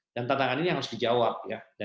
dan tantangan ini yang harus dijawab ya